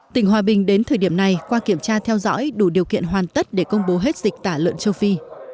tỉnh hòa bình đến thời điểm này qua kiểm tra theo dõi đủ điều kiện hoàn tất để công bố hết dịch tả lợn châu phi